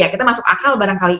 kita masuk akal barangkali